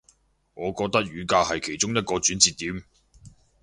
我覺得雨革係其中一個轉捩點